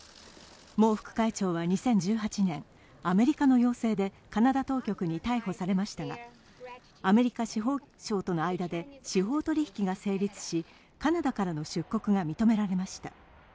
孟副会長は２０１８年、アメリカの要請でカナダ当局に逮捕されましたが、アメリカ司法省との間で司法取引が成立し、カナダからの出国が認められました。